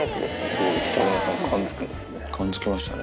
そう、北村さん、感づくんですね。